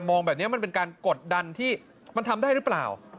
มองแบบนี้มันเป็นการกดดันที่มันทำได้หรือเปล่า